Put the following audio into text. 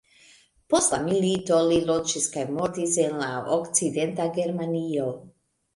Post la milito li loĝis kaj mortis en la okcidenta Germanio.